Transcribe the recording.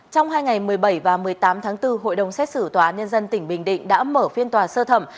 trong hai ngày một mươi bảy và một mươi tám tháng bốn hội đồng xét xử tòa án nhân dân tỉnh bình định đã mở phiên tòa sơ thẩm